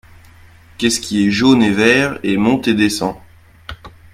Qu'est-ce qui est jaune et vert et monte et descend?